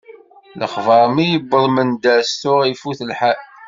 Lexbar mi yewweḍ Mendas tuɣ ifut lḥal.